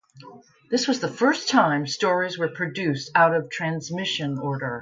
This was the first time stories were produced out of transmission order.